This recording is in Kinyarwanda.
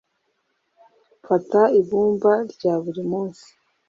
mfata ibumba rya buri munsi